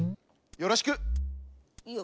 よろしく。